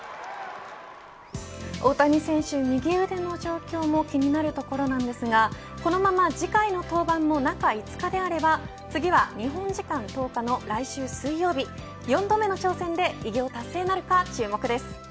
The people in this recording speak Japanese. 大谷選手、右腕の状況も気になるところですがこのまま次回の登板も中５日であれば次は日本時間１０日の来週水曜日４度目の挑戦で偉業達成なるか、注目です。